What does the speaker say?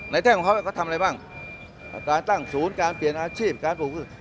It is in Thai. แท่งของเขาเขาทำอะไรบ้างการตั้งศูนย์การเปลี่ยนอาชีพการปลูกคือ